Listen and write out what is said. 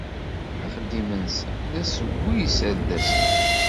Axeddim-nsen d assewwi i yiserdasen.